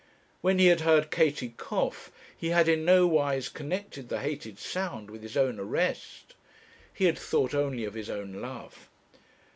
When he had heard Katie cough, he had in nowise connected the hated sound with his own arrest. He had thought only of his own love.